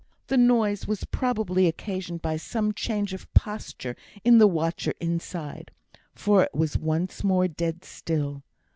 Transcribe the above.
The noise was probably occasioned by some change of posture in the watcher inside, for it was once more dead still.